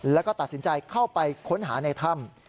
แล้วก็ตัดสินใจเข้าไปค้นหาในถ้ำ